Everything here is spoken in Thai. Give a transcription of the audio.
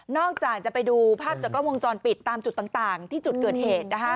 จากจะไปดูภาพจากกล้องวงจรปิดตามจุดต่างที่จุดเกิดเหตุ